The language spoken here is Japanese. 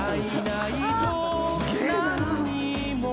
「すげえな！」